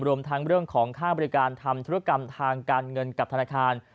รวมทั้งเรื่องของค่าบริการทำธุรกรรมทางการเงินกับธนาคาร